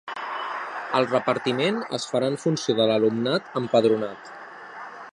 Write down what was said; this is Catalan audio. El repartiment es farà en funció de l’alumnat empadronat.